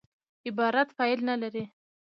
عبارت فاعل نه لري.